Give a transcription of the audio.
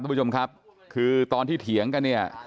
ผู้ชมครับคือตอนที่เถียงกันเนี่ย